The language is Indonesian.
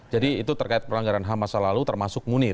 jadi itu terkait pelanggaran ham masa lalu termasuk munir